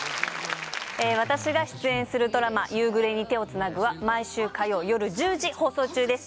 私が出演するドラマ「夕暮れに、手をつなぐ」は毎週火曜よる１０時放送中です